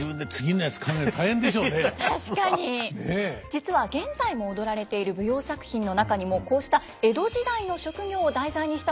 実は現在も踊られている舞踊作品の中にもこうした江戸時代の職業を題材にしたものが多いんです。